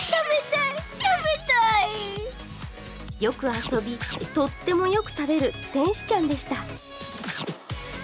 よく遊び、とってもよく食べる天使ちゃんでした。